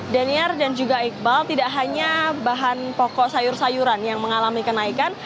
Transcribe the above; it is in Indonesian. daniar dan juga iqbal tidak hanya bahan pokok sayur sayuran yang mengalami kenaikan